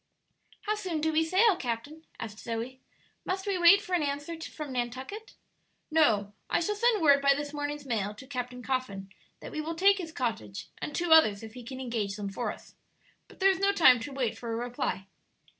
"How soon do we sail, captain?" asked Zoe. "Must we wait for an answer from Nantucket?" "No; I shall send word by this morning's mail, to Captain Coffin, that we will take his cottage and two others, if he can engage them for us. But there is no time to wait for a reply."